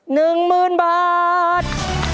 หนึ่งหมื่นบาท